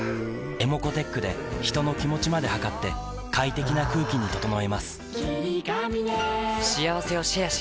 ｅｍｏｃｏーｔｅｃｈで人の気持ちまで測って快適な空気に整えます